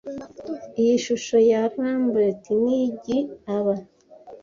Iyi shusho ya Rembrandt ni ig aba.